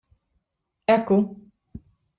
Hekk hu.